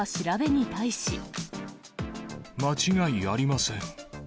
間違いありません。